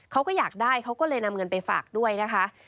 เขาก็อยากได้เขาก็เลยนำเงินไปฝากด้วยนะคะ